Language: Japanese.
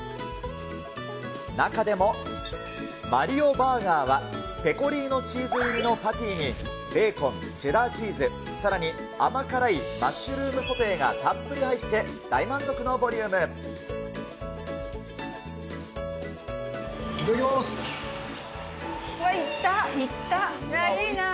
中でも、マリオ・バーガーは、ペコリーノチーズ入りのパティにベーコン、チェダーチーズ、さらに甘辛いマッシュルームソテーがたっぷり入って大満足のボリいただきます。